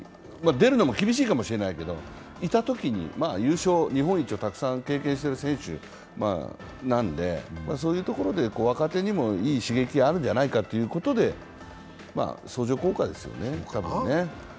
出るのも厳しいかもしれないけどいたときに、日本一をたくさん経験している選手なのでそういうところで若手にもいい刺激があるんじゃないかということとで相乗効果ですよね。